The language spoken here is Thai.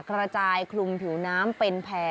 กระจายคลุมผิวน้ำเป็นแผล